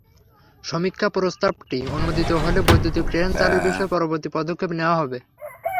সমীক্ষা প্রস্তাবটি অনুমোদিত হলে বৈদ্যুতিক ট্রেন চালুর বিষয়ে পরবর্তী পদক্ষেপ নেওয়া হবে।